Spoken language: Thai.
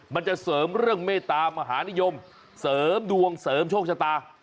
มันจะเสริมเรื่องเมตามหานิยมเสริมดวงเสริมโชคชะตา